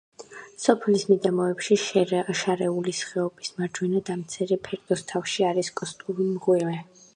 სოფლის მიდამოებში, შარეულის ხეობის მარჯვენა, დამრეცი ფერდობის თავში არის კარსტული მღვიმე.